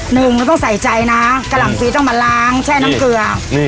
หนึ่งไม่ต้องใส่ใจนะกะหล่ำปีต้องมาล้างแช่น้ำเกลือ